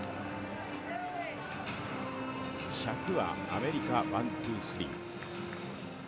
１００はアメリカワン・ツー・スリー。